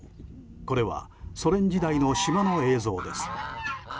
これはソ連時代の島の映像です。